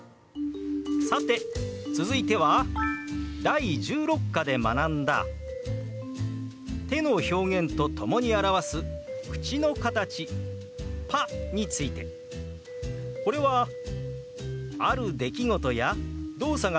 さて続いては第１６課で学んだ手の表現と共に表す口の形「パ」について。これはある出来事や動作が完了したことを表す表現でしたね。